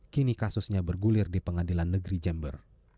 kini kasusnya bergulir di pengadilan negeri jember